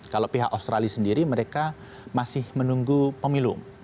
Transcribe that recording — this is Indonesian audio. kalau pihak australia sendiri mereka masih menunggu pemilu